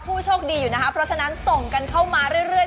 ผู้โชคดีอยู่นะคะเพราะฉะนั้นส่งกันเข้ามาเรื่อย